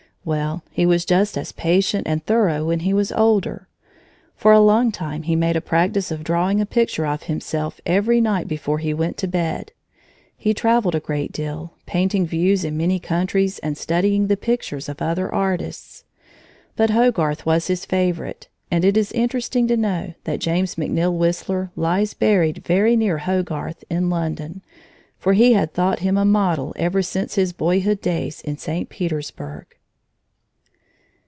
Well, he was just as patient and thorough when he was older. For a long time he made a practice of drawing a picture of himself every night before he went to bed. He traveled a great deal, painting views in many countries and studying the pictures of other artists. But Hogarth was his favorite, and it is interesting to know that James McNeill Whistler lies buried very near Hogarth, in London, for he had thought him a model ever since his boyhood days in St. Petersburg.